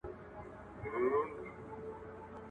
کېدای سي مکتب بند وي!.